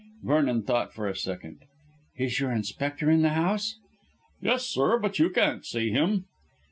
Vernon thought for a second. "Is your Inspector in the house?" "Yes, sir, but you can't see him."